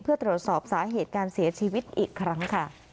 เพื่อตรวจสอบสาเหตุการเสียชีวิตอีกครั้งค่ะ